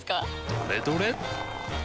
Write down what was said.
どれどれっ！